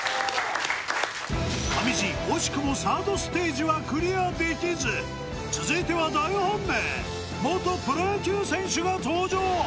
上地惜しくもサードステージはクリアできず続いては大本命元プロ野球選手が登場